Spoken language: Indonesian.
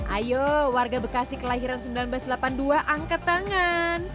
ayo warga bekasi kelahiran seribu sembilan ratus delapan puluh dua angkat tangan